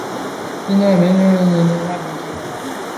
今台中市太平区。